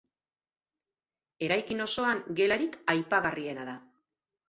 Eraikin osoan gelarik aipagarriena da.